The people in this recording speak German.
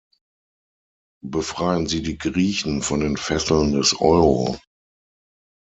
Befreien Sie die Griechen von den Fesseln des Euro.